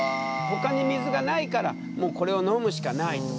ほかに水がないからもうこれを飲むしかない。